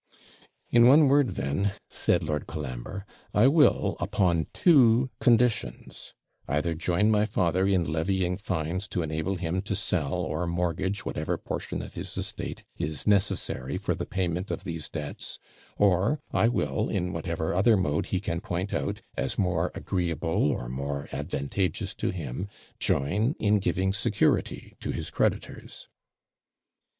'In one word, then,' said Lord Colambre, 'I will, upon two conditions, either join my father in levying fines to enable him to sell or mortgage whatever portion of his estate is necessary for the payment of these debts; or I will, in whatever other mode he can point out, as more agreeable or more advantageous to him, join in giving security to his creditors.'